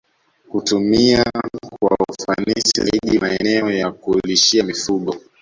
Kutumia kwa ufanisi zaidi maeneo ya kulishia mifugo